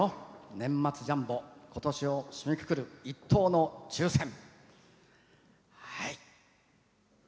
年末ジャンボことしを締めくくる１等の抽せん。